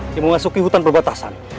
dia mau masuk ke hutan perbatasan